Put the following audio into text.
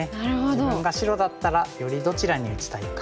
自分が白だったらよりどちらに打ちたいか。